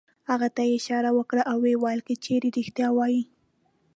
هغه ته یې اشاره وکړه او ویې ویل: که چېرې رېښتیا وایې.